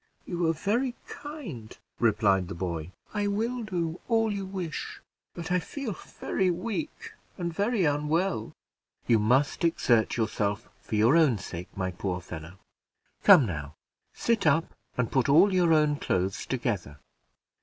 "You are very kind," replied the boy. "I will do all you wish, but I feel very weak, and very unwell." "You must exert yourself, for your own sake, my poor fellow. Come, now, sit up and put all your own clothes together.